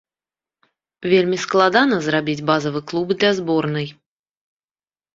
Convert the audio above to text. Вельмі складана зрабіць базавы клуб для зборнай.